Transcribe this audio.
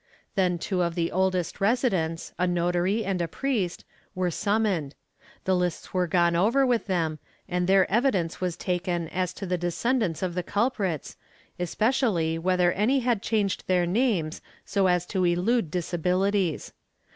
Then two of the oldest residents — a notary and a priest — were summoned ; the lists were gone over with them and their evidence was taken as to the descendants of the culprits, especially whether any had changed their names so as to elude disabilities.